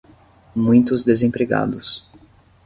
muitos desempregados